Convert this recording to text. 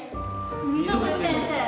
溝口先生。